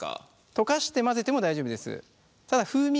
溶かして混ぜても大丈夫です。